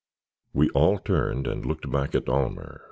We all turned and looked back at Almer.